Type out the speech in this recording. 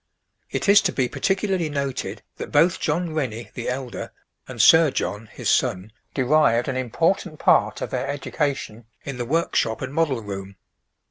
It is to be particularly noted that both John Rennie, the elder, and Sir John, his son, derived an important part of their education in the workshop and model room.